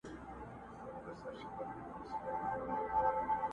زولنې یې شرنګولې د زندان استازی راغی٫